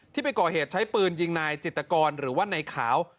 ไปก่อเหตุใช้ปืนยิงนายจิตกรหรือว่านายขาว